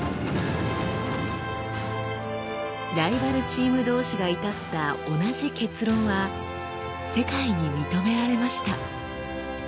ライバルチーム同士が至った同じ結論は世界に認められました。